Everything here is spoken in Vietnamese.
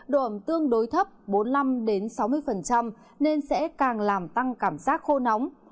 độ ẩm tương đối thấp bốn mươi năm sáu mươi nên sẽ càng làm tăng cảm giác khô nóng